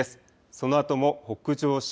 そのあとも北上し